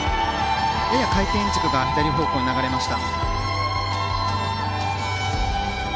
やや回転軸が左方向に流れました。